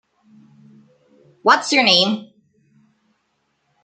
What's your name?